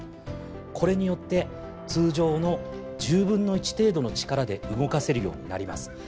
これによって通常の１０分の１程度の力で動かせるようになります。